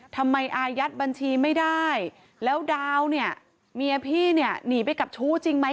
อายัดบัญชีไม่ได้แล้วดาวเนี่ยเมียพี่เนี่ยหนีไปกับชู้จริงไหม